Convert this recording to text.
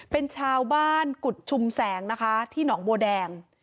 เป็นชาวบ้านกุฎชุมแสงนะคะที่หนองบัวแดง